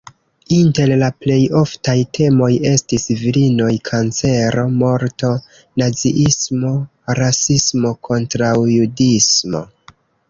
Inter la plej oftaj temoj estis virinoj, kancero, morto, naziismo, rasismo, kontraŭjudismo.